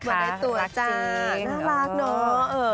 บอกได้ตั๋วยจ้าน่ารักเนอะ